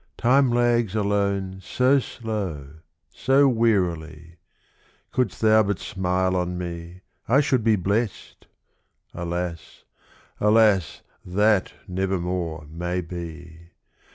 Time lags alone so slow, so wearily; Couldst thou but smile on me, I should be blest. Alas, alas! that never more may be.